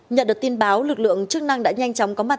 nhận được tin báo lực lượng chức năng đã nhanh chóng có mặt